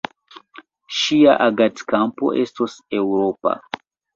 Ŝia agadkampo estos eŭropa.